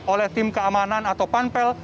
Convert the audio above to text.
oleh tim keamanan atau panpel